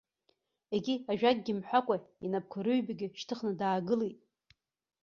Егьи ажәакгьы мҳәакәа инапқәа рыҩбагьы шьҭыхны даагылеит.